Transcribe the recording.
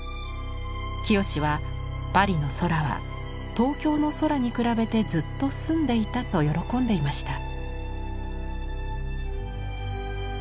清は「パリの空は東京の空に比べてずっと澄んでいた」と喜んでいました。